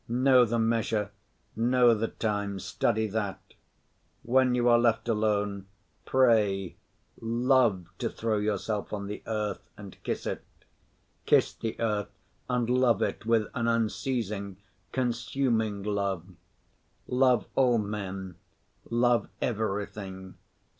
Know the measure, know the times, study that. When you are left alone, pray. Love to throw yourself on the earth and kiss it. Kiss the earth and love it with an unceasing, consuming love. Love all men, love everything.